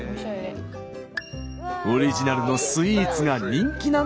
オリジナルのスイーツが人気なんだとか。